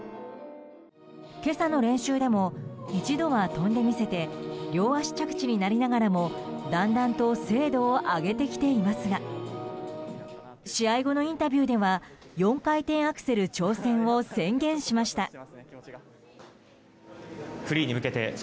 今朝の練習でも一度は跳んでみせて両足着地になりながらもだんだんと精度を上げてきていますが試合後のインタビューでは４回転アクセル挑戦を宣言しました。